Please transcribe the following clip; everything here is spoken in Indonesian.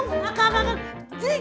kak kak kak